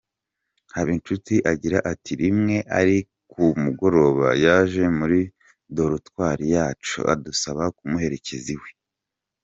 Habinshuti agira ati “Rimwe ari ku mugoroba yaje muri dorutwari yacu adusaba kumuherekeza iwe.